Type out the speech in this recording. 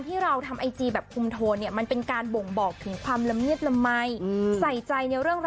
ตัวพ่อกันบ้าง